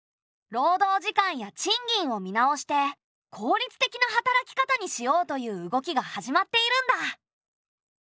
労働時間や賃金を見直して効率的な働き方にしようという動きが始まっているんだ。